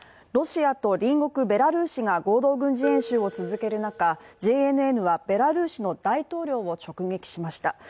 ロシアと隣国ベラルーシが合同軍事演習を続ける中、ＪＮＮはベラルーシの大統領を直撃しました。